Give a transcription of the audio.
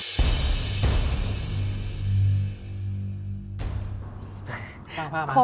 สร้างภาพอะไร